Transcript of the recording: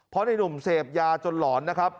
เพราะในหนุ่มเสพยาจนหลอนนะครับ